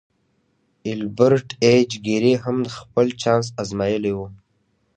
ایلبرټ ایچ ګیري هم خپل چانس ازمایلی و